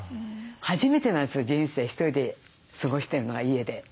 初めてなんですよ人生ひとりで過ごしてるのが家で。